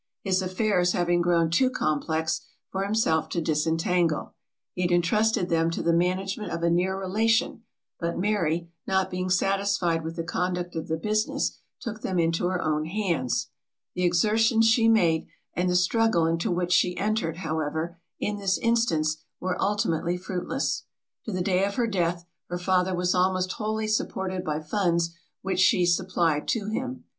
His affairs having grown too complex for himself to disentangle, he had intrusted them to the management of a near relation; but Mary, not being satisfied with the conduct of the business, took them into her own hands. The exertions she made, and the struggle into which she entered however, in this instance, were ultimately fruitless. To the day of her death her father was almost wholly supported by funds which she supplied to him.